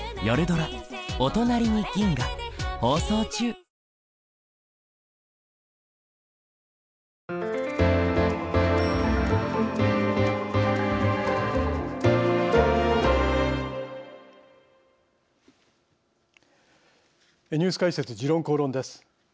放送中「ニュース解説時論公論」です。